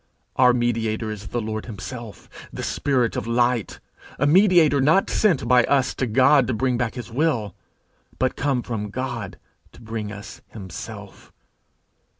Our mediator is the Lord himself, the spirit of light, a mediator not sent by us to God to bring back his will, but come from God to bring us himself.